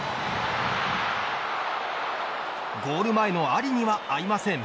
ゴール前のアリには合いません。